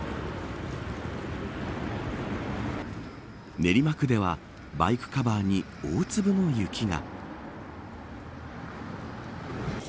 練馬区ではバイクカバーに大粒の雪が。